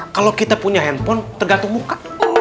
kalau kita punya handphone tergantung muka